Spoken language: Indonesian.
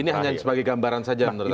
ini hanya sebagai gambaran saja menurut anda